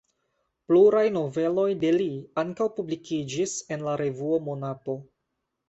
Pluraj noveloj de li ankaŭ publikiĝis en la revuo Monato.